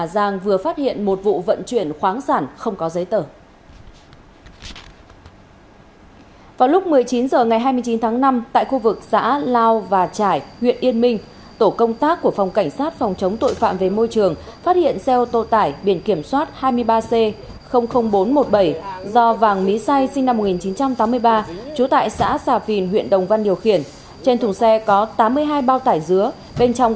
đường dây này do thái thanh minh sinh năm một nghìn chín trăm tám mươi ba trú tại xã hưng lộc thành phố hồ chí minh